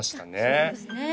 そうですね